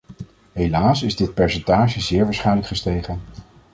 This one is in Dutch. Helaas is dit percentage zeer waarschijnlijk gestegen.